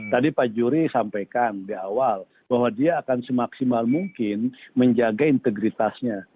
tadi pak juri sampaikan di awal bahwa dia akan semaksimal mungkin menjaga integritasnya